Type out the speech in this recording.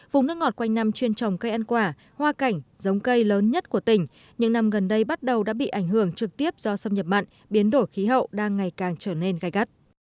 vùng nước ngọt quanh năm chuyên trồng cây ăn quả hoa cảnh giống cây lớn nhất của tỉnh những năm gần đây bắt đầu đã bị ảnh hưởng trực tiếp do xâm nhập mặn biến đổi khí hậu đang ngày càng trở nên gai gắt